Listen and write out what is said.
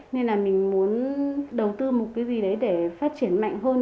nên là mình muốn đầu tư một cái gì đấy để phát triển mạnh hơn